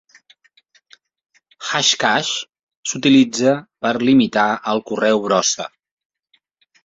Hashcash s'utilitza per limitar el correu brossa.